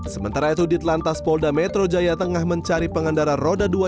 sementara itu ditelantas polda metro jaya tengah mencari pengendara roda dua